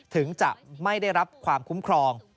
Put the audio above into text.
ถึงจะไม่ได้รับความคุ้มครอง